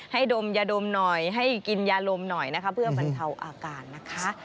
ดมยาดมหน่อยให้กินยาลมหน่อยนะคะเพื่อบรรเทาอาการนะคะ